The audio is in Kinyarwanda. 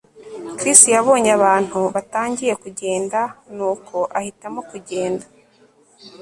Chris yabonye abantu batangiye kugenda nuko ahitamo kugenda